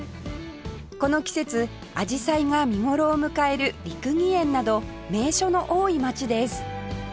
この季節アジサイが見頃を迎える六義園など名所の多い街です